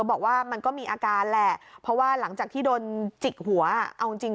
บอกว่ามันก็มีอาการแหละเพราะว่าหลังจากที่โดนจิกหัวเอาจริงจริง